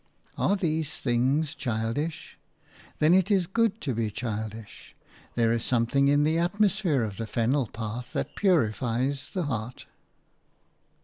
Are these things childish? Then it is good to be childish: there is something in the atmosphere of the fennel path that purifies the heart.